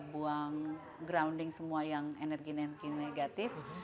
buang grounding semua yang energi energi negatif